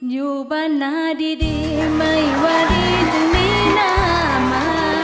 อยู่บ้านนาดีไม่ว่าดีจะมีหน้ามา